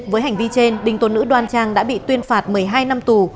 với hành vi trên đinh tôn nữ đoàn trang đã bị tuyên phạt một mươi hai năm tù